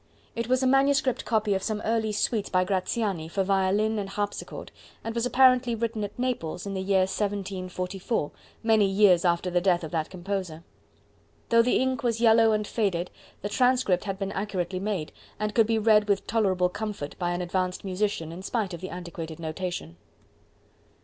It was a manuscript copy of some early suites by Graziani for violin and harpsichord, and was apparently written at Naples in the year 1744, many years after the death of that composer. Though the ink was yellow and faded, the transcript had been accurately made, and could be read with tolerable comfort by an advanced musician in spite of the antiquated notation.